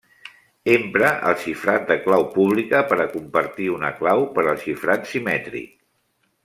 Empra el xifrat de clau pública per a compartir una clau per al xifrat simètric.